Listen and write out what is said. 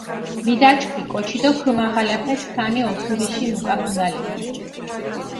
მიდაჩქვი კოჩი დო ქჷმაღალაფე სქანი ოსურიში მუკაქუნალეფი.